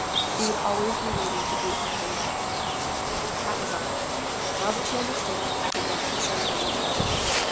She would always be waiting to greet her home. That was all. Now that she understood it, it did not concern her any more.